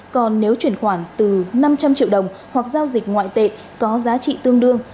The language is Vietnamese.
còn nếu chuyển khoản từ năm trăm linh triệu đồng hoặc giao dịch ngoại tệ có giá trị tương đương